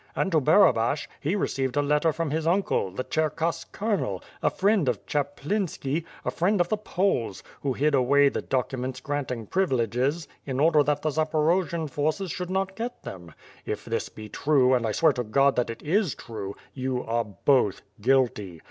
And to Barabash, he received a letter from his uncle, the Cherkass colonel, a friend of C haplinski, a friend of the Poles, who hid away the documents granting privileges, in order that the Zaporojians forces should not get them. If this be true and I swear to God that it is true, you are both guilty.